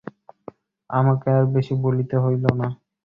আমাকে আর বেশী বলিতে হইল না।